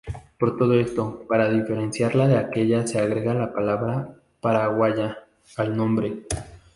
Por todo esto, para diferenciarla de aquella se agrega la palabra "paraguaya" al nombre.